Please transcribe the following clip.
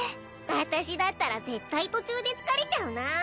私だったら絶対途中で疲れちゃうなぁ。